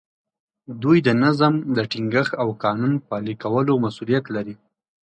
دوی د نظم د ټینګښت او قانون پلي کولو مسوولیت لري.